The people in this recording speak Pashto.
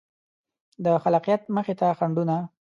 د خلاقیت مخې ته خنډونه